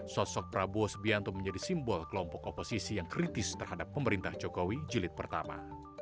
sosok prabowo subianto menjadi simbol kelompok oposisi yang kritis terhadap pemerintah jokowi jilid pertama